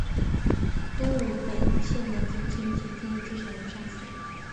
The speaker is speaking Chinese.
东武本线的急行停靠站最少上下车人次。